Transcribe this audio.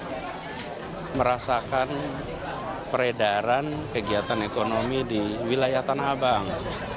kita ingin untuk merasakan peredaran kegiatan ekonomi di wilayah tanah abang